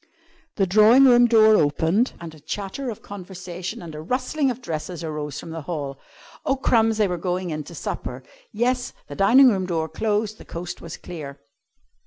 The drawing room door opened and a chatter of conversation and a rustling of dresses arose from the hall. Oh, crumbs! They were going in to supper. Yes, the dining room door closed; the coast was clear.